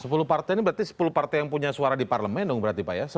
sepuluh partai ini berarti sepuluh partai yang punya suara di parlemen dong berarti pak ya